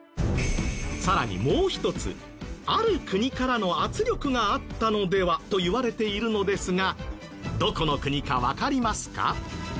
さらにもう一つある国からの圧力があったのではといわれているのですがどこの国かわかりますか？